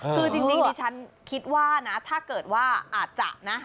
คือจริงดิฉันคิดว่านะถ้าเกิดว่าอาจจะนะ